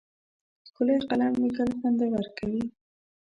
ښکلی قلم لیکل خوندور کوي.